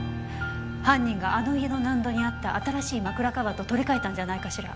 犯人があの家の納戸にあった新しい枕カバーと取り替えたんじゃないかしら。